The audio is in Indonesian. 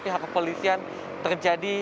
pihak kepolisian terjadi